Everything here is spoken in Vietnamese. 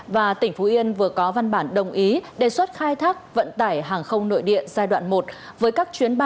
và tỉnh phú yên vừa có văn bản đồng ý đề xuất khai thác vận tải hàng không nội địa giai đoạn một